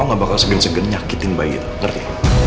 kamu gak bakal segen segen nyakitin bayi itu